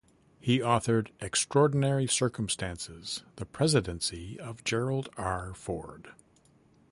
He authored "Extraordinary Circumstances: The Presidency of Gerald R. Ford".